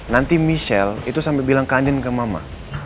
nanti michelle itu sampai bilang kandin ke mama